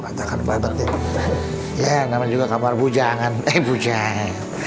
merata rata ya namanya juga kamar bujangan eh bujang